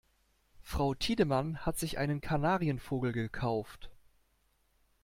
Frau Tiedemann hat sich einen Kanarienvogel gekauft.